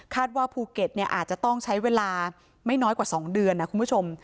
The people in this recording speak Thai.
ว่าภูเก็ตอาจจะต้องใช้เวลาไม่น้อยกว่า๒เดือนนะคุณผู้ชม